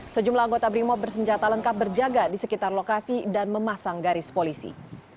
sejumlah anggota brimob bersenjata lengkap berjaga di sekitar lokasi dan memasang garis polisi